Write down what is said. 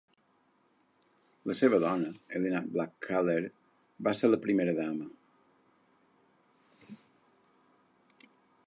La seva dona Elena Blackaller va ser la primera dama.